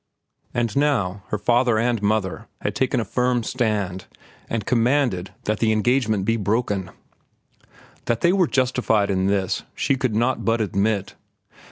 And now her father and mother had taken a firm stand and commanded that the engagement be broken. That they were justified in this she could not but admit.